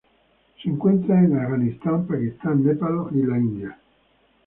Se encuentra en Afganistán, Pakistán, Nepal, y la India.